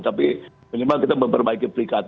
tapi minimal kita memperbaiki peringkat